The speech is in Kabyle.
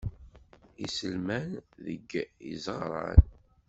Iselman deg izeɣṛan.